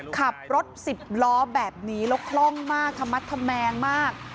ขับรถสิบล้อแบบนี้ละคร่องมากธรรมดธแมงมาก